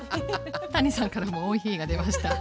谷さんからも「おいひー」が出ました。